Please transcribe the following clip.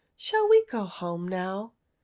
Shall we go home now ?